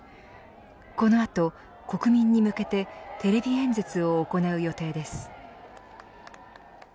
この後、国民に向けてテレビ演説を行う予定です。